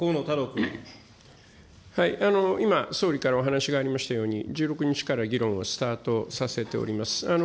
今、総理からお話がありましたように、１６日から議論をスタートさせております。